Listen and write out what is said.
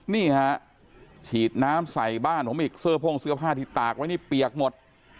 นี่ฮะฉีดน้ำใส่บ้านผมอีกเสื้อโพ่งเสื้อผ้าที่ตากไว้นี่เปียกหมด